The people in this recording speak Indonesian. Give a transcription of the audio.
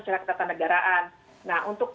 secara ketatanegaraan nah untuk